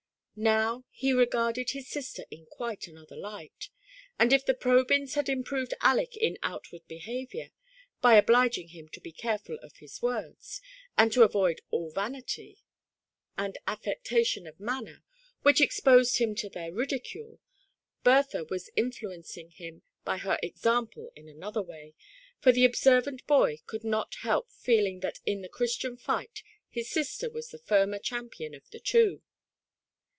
Now he regarded his sister in quite another light ; and if the Probyns had improved Aleck in outward behaviour, by obliging him to be careful of his words, and to avoid all vanity and THE PRISONER IN DARKNESS. 139 affectation of manner, which exposed him to their ridicule, Bertha was influencing him by her example in another way, for the observant boy could not help feel ing that in the Christian fight his sister was the firmer champion of the two.